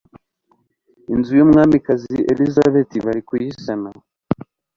Inzu y’umwamikazi Elizabeth bari kuyisana